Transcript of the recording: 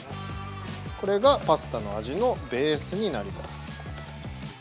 ◆これがパスタの味のベースになります。